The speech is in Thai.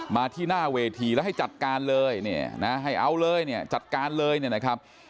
มาที่หน้าเวทีแล้วให้จัดการเลยเนี่ยนะให้เอาเลยเนี่ยจัดการเลยเนี่ยนะครับ